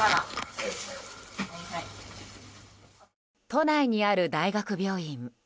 都内にある大学病院。